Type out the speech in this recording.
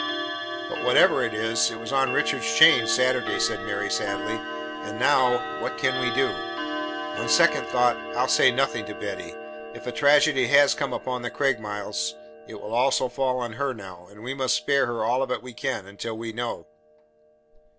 "But whatever it is, it was on Richard's chain Saturday," said Mary, sadly. "And now, what can we do? On second thought I'll say nothing to Betty. If a tragedy has come upon the Craigmiles, it will also fall on her now, and we must spare her all of it we can, until we know."